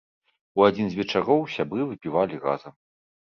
У адзін з вечароў сябры выпівалі разам.